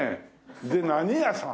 で何屋さん？